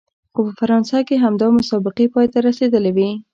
خو په فرانسه کې همدا مسابقې پای ته رسېدلې وې.